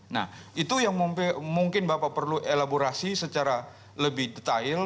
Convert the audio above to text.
nah itu yang mungkin bapak perlu elaborasi secara lebih detail